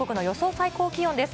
最高気温です。